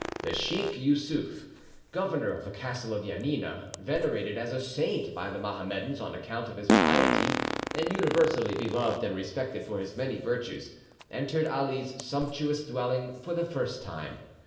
The Sheik Yussuf, governor of the castle of Janina, venerated as a saint by the Mohammedans on account of his piety, and universally beloved and respected for his many virtues, entered Ali's sumptuous dwelling for the first time.